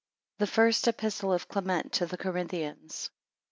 ] THE FIRST EPISTLE OF CLEMENT TO THE CORINTHIANS.